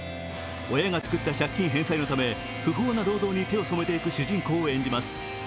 親が作った借金返済のため不法な労働に手を染めていく主人公を演じます。